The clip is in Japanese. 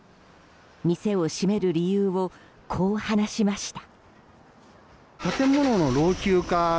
店を閉める理由をこう話しました。